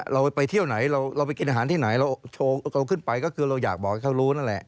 เราไปเที่ยวไหนเราไปกินอาหารที่ไหนเราโชว์เราขึ้นไปก็คือเราอยากบอกให้เขารู้นั่นแหละ